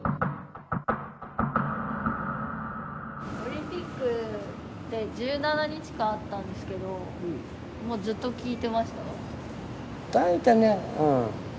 オリンピックって１７日間あったんですけどもうずっと聞いてました？